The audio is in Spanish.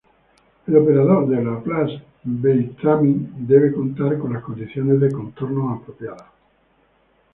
El operador de Laplace-Beltrami debe contar con las condiciones de contorno apropiadas.